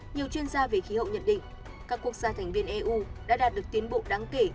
nhiều chuyên gia về khí hậu nhận định các quốc gia thành viên eu đã đạt được tiến bộ đáng kể